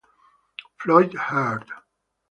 Floyd Heard